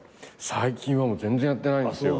最近は全然やってないんですよ。